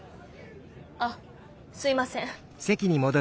あっすいません。